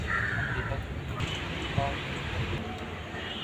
امریکا کے لیے کوئی خطرہ نہیں ہیں